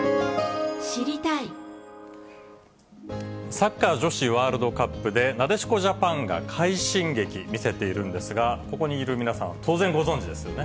サッカー女子ワールドカップで、なでしこジャパンが快進撃見せているんですが、ここにいる皆さんは当然ご存じですよね？